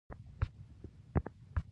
ماسره دوې غواوې دي